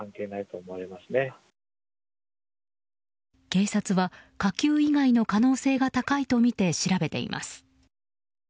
警察は火球以外の可能性が高いとみて調べています。